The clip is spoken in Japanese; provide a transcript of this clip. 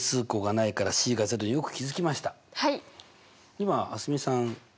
今蒼澄さん